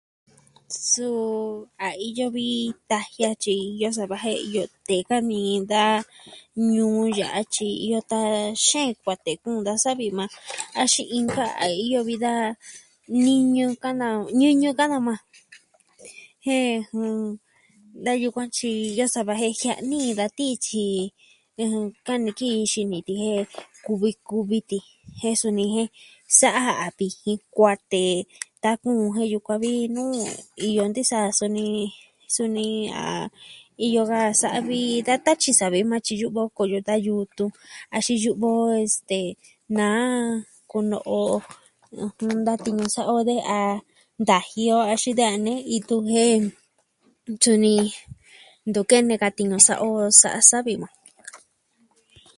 Suu a iyo vi tajia tyi iyo sa va jen iyo tee kani da ñuu ya'a tyi iyo sa xeen kuatee kuun da savi yukuan axin inka a iyo vi da ñɨñɨ ka... ñɨñɨ ka'an daja majan. Jen, da yukuan tyi iyo sava jen jia'ni jin da tii tyi kani ki ji xini ti jen kuvi kuvi ti. Jen suni jen sa'a ja vijin kuatee sa kuun jun jen yukuan vi nuu iyo nti'in sa'a ja suni... suni a iyo ka sa'a vi da tatyisavi yukuan tyi yu'vi o koyo da yutun. Axin yu'vi o, este, naa kuno'o da tiñu sa'a o de a ntaji o axin de a nee itu suni, ntu kene ka tiñu sa'a o sa'a savi yukuan.